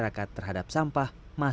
tempat ber planet pada